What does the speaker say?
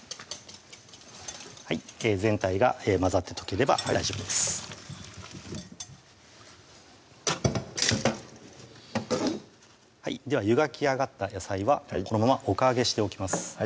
全体が混ざって溶ければ大丈夫ですでは湯がきあがった野菜はこのままおかあげしておきます